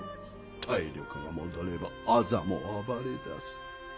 体力が戻ればアザも暴れだす。